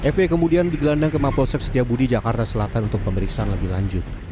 fw kemudian digelandang ke mapolsek setiabudi jakarta selatan untuk pemeriksaan lebih lanjut